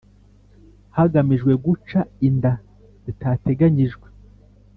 hagamijwe guca inda zitateganyijwe